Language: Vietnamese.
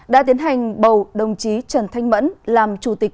đã tiến hành bầu đồng chí trần thanh mẫn làm chủ tịch